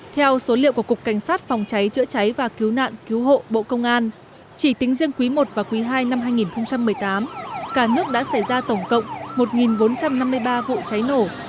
theo số liệu của cục cảnh sát phòng cháy chữa cháy và cứu nạn cứu hộ bộ công an chỉ tính riêng quý i và quý ii năm hai nghìn một mươi tám cả nước đã xảy ra tổng cộng một bốn trăm năm mươi ba vụ cháy nổ